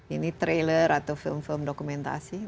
ini trailer atau film film dokumentasi